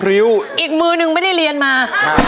อีกมือนึงไม่ได้เรียนมา